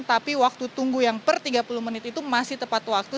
tapi waktu tunggu yang per tiga puluh menit itu masih tepat waktu